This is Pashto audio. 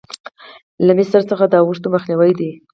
له مسیر څخه د اوښتو مخنیوی دی.